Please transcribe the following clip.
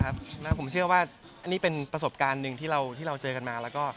ผมเชื่อว่านี่เป็นประสบการณ์หนึ่งที่เราเจอกันมา